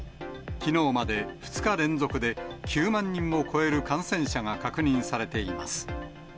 きのうまで２日連続で、９万人を超える感染者が確認されています。